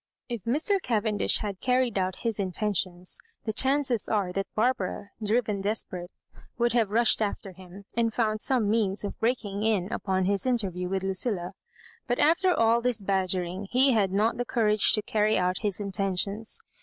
If Mr. Cavendish had carried out his intentions, the chances are that Barbara^ driven desperate, would have rushed after him, and found some means of breaking in upon his interview with Lucilla ; but after all this badgering, he had not the courage to carry out his intentions.